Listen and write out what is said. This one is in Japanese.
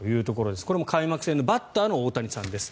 これも開幕戦のバッターの大谷さんです。